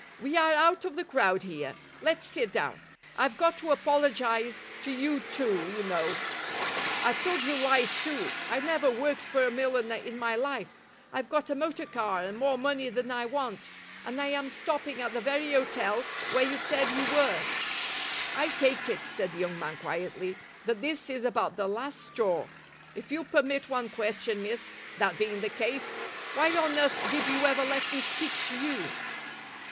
"We are out of the crowd here. Let's sit down. I've got to apologise to you too, you know. I've told you lies, too. I never worked for a milliner in my life. I've got a motor car and more money than I want, and I am stopping at the very hotel where you said you were." "I take it," said the young man, quietly, "that this is about the last straw. If you'll permit one question, miss, that being the case, why on earth did you ever let me speak to you?"